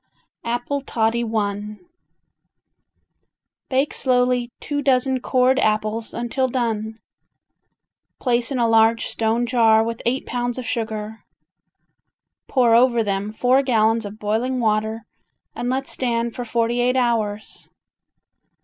Apple Toddy I Bake slowly two dozen cored apples until done. Place in a large stone jar with eight pounds of sugar. Pour over them four gallons of boiling water and let stand for forty eight hours.